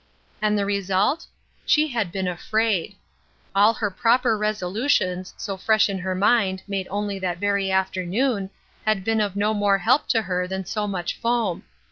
And the result? She had been afraid! All her proper resolutions, so fresh in her mind, made only that very afternoon, had been of no more help to her than so much foam.